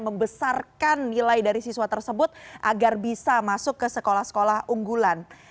membesarkan nilai dari siswa tersebut agar bisa masuk ke sekolah sekolah unggulan